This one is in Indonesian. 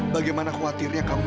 bagaimana khawatirnya kamu